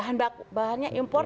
dan bahannya impor